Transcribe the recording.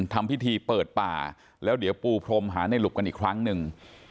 ทำพิธีเปิดป่าแล้วเดี๋ยวปูพรมหาในหลุบกันอีกครั้งหนึ่ง